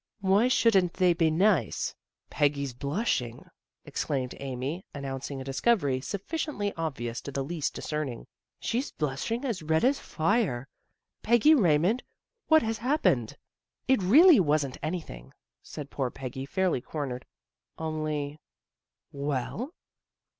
" Why shouldn't they be nice? " THE GIRL NEXT DOOR 27 " Peggy's blushing," exclaimed Amy, an nouncing a discovery sufficiently obvious to the least discerning. " She's blushing as red as fire. Peggy Raymond, what has hap pened? "" It really wasn't anything," said poor Peggy, fairly cornered. " Only " Well?